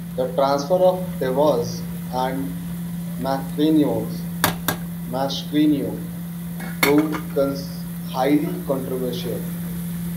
The transfers of Tevez and Mascherano proved highly controversial.